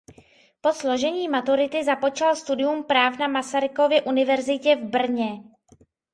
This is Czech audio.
Po složení maturity započal studium práv na Masarykově univerzitě v Brně.